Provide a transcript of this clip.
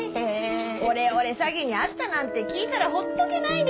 オレオレ詐欺に遭ったなんて聞いたらほっとけないですよ！